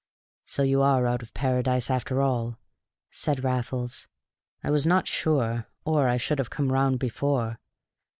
"So you are out of Paradise after all!" said Raffles. "I was not sure, or I should have come round before.